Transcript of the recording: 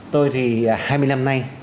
tôi thì hai mươi năm nay